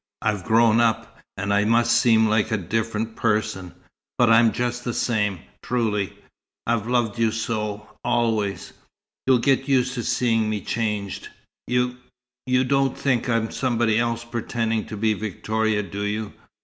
"I've grown up, and I must seem like a different person but I'm just the same, truly. I've loved you so, always. You'll get used to seeing me changed. You you don't think I'm somebody else pretending to be Victoria, do you?